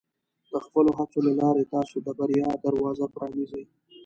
د خپلو هڅو له لارې، تاسو د بریا دروازه پرانیزئ.